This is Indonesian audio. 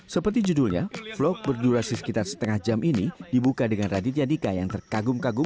seperti judulnya vlog berdurasi sekitar setengah jam ini dibuka dengan raditya dika yang terkagum kagum